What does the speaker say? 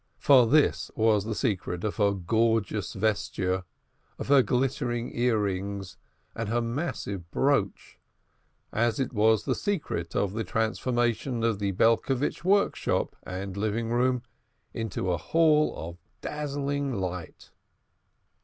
For this was the secret of her gorgeous vesture, of her glittering earrings, and her massive brooch, as it was the secret of the transformation of the Belcovitch workshop (and living room) into a hall of dazzling light.